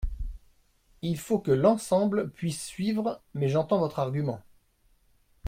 Il faut que l’ensemble puisse suivre mais j’entends votre argument.